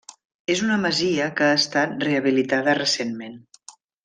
És una masia que ha estat rehabilitada recentment.